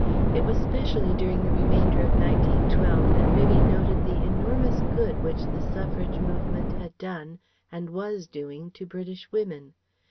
It was specially during the remainder of 1912 that Vivie noted the enormous good which the Suffrage movement had done and was doing to British women.